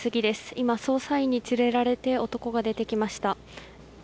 今、捜査員に連れられて男が出てきました。